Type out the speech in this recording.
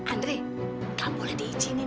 andre nggak boleh diizinin